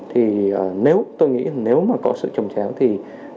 thì nếu tôi nghĩ nếu mà có sự trồng chéo thì